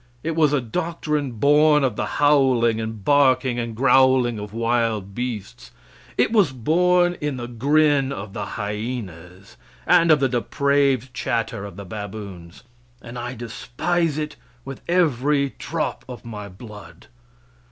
It was a doctrine born of the howling and barking and growling of wild beasts; it was born in the grin of the hyenas, and of the depraved chatter of the baboons; and I despise it with every drop of my blood.